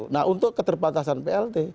nah untuk keterbatasan pr